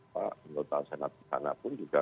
pak milton senatisana pun juga